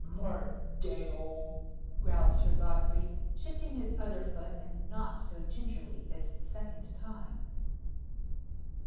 "Mort d'aieul!" growled Sir Godfrey, shifting his other foot, and not so gingerly this second time.